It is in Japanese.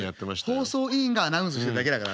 放送委員がアナウンスしてるだけだからね。